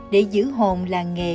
để giữ hồn là nghề